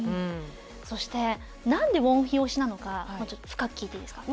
そしてなんでウォンヒ推しなのか深く聞いていいですか？